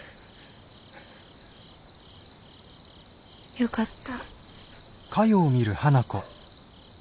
よかった。